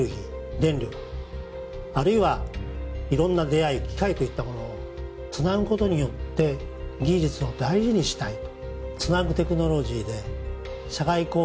電力あるいはいろんな出会い機会といったものをつなぐことによって技術を大事にしたいと。